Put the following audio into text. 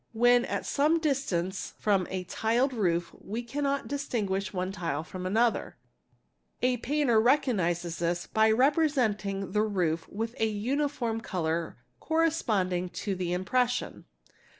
When at some distance from a tiled roof we cannot. distingui one tile from another; a painter recognizes this by representing the r with a uniform colour corresponding to the impression.